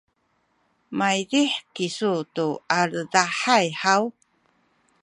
maydih kisu tu aledahay haw?